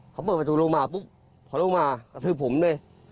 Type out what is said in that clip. เขาเปิดประตูลงมาปุ๊บพอลงมากระทืบผมเลย